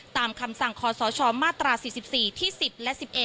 ตามคำสั่งคศมาตรา๔๔ที่๑๐และ๑๑